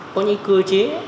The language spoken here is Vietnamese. có những cơ chế